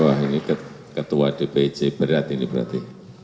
wah ini ketua dpc berat ini berarti